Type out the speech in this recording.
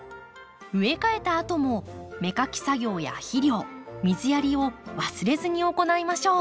植え替えたあとも芽かき作業や肥料水やりを忘れずに行いましょう。